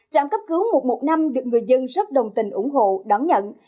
trạm cấp cứu một trăm một mươi năm được người dân rất đồng tình ủng hộ đón nhận